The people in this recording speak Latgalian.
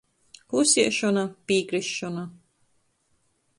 Klusiešona – pīkrisšona.